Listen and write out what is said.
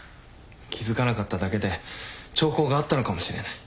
気付かなかっただけで兆候があったのかもしれない。